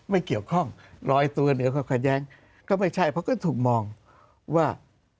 ไม่เกี่ยวข้องลอยตัวเหนือก็ขัดแย้งก็ไม่ใช่เพราะก็ถูกมองว่า